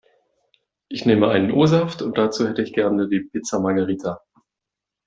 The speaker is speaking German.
Ich nehme einen O-Saft und dazu hätte ich gerne die Pizza Margherita.